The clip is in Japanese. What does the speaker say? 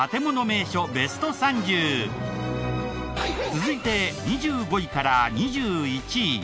続いて２５位から２１位。